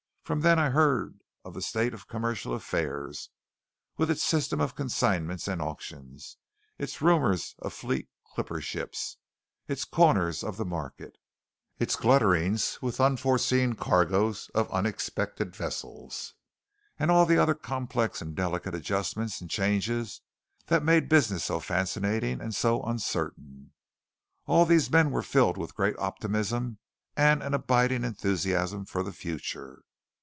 From them I heard of the state of commercial affairs, with its system of consignments and auctions, its rumours of fleet clipper ships, its corners of the market, its gluttings with unforeseen cargoes of unexpected vessels, and all the other complex and delicate adjustments and changes that made business so fascinating and so uncertain. All these men were filled with a great optimism and an abiding enthusiasm for the future.